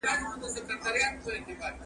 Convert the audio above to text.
تاسي په خپلو خبرو کي تل ریښتیا وایئ.